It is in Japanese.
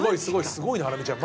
すごいなハラミちゃん。